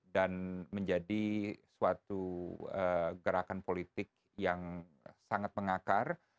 dan menjadi suatu gerakan politik yang sangat mengakar